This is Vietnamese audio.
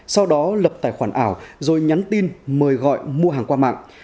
sau đó lập tài khoản ảo rồi nhắn tin mời gọi mua hàng qua mạng